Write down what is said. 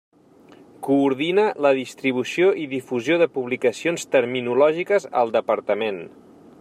Coordina la distribució i difusió de publicacions terminològiques al Departament.